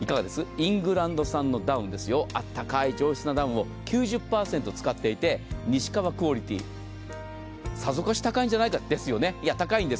イングランド産のダウンですよ、あったかい上質なダウンを９０％使っていて、西川クオリティ、さぞかし高いんじゃないか、ですよね、高いんです。